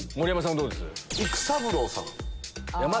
どうです？